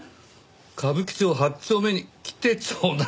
「歌舞伎町八丁目に来てちょうだい！」